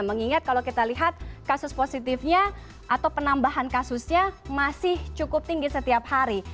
mengingat kalau kita lihat kasus positifnya atau penambahan kasusnya masih cukup tinggi setiap hari